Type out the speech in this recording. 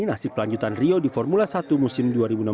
nasib lanjutan rio di formula satu musim dua ribu enam belas